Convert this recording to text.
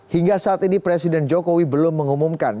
hingga saat ini presiden jokowi belum mengumumkan